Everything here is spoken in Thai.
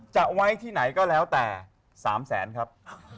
จะไว้ที่ไหนก็แล้วแต่๓แสนครับ